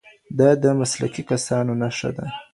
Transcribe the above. دا د مسلکي کسانو نښه ده.